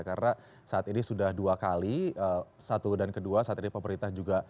karena saat ini sudah dua kali satu dan kedua saat ini pemerintah juga